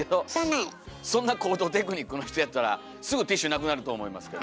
そんな高等テクニックの人やったらすぐティッシュなくなると思いますけど。